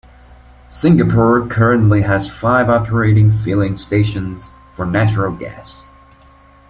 Singapore currently has five operating filling stations for natural gas.